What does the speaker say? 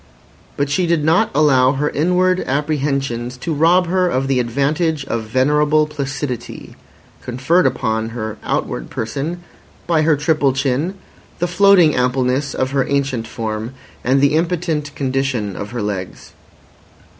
But she did not allow her inward apprehensions to rob her of the advantage of venerable placidity conferred upon her outward person by her triple chin, the floating ampleness of her ancient form, and the impotent condition of her legs.